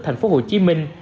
thành phố hồ chí minh